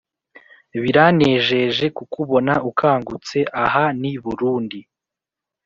biranejeje kukubona ukangutse aha ni burundi